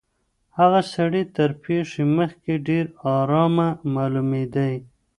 هغه سړی تر پېښي مخکي ډېر آرامه معلومېدی.